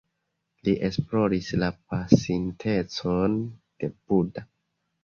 Li esploris la pasintecon de Buda.